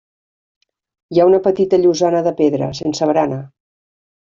Hi ha una petita llosana de pedra, sense barana.